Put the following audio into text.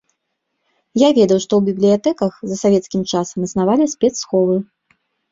Я ведаў, што ў бібліятэках за савецкім часам існавалі спецсховы.